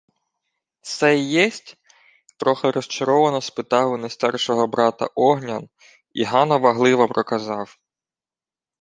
— Се й єсть? — трохи розчаровано спитав у найстаршого брата Огнян, і Гано вагливо проказав: